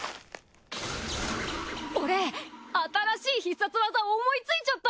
俺新しい必殺技を思いついちゃった！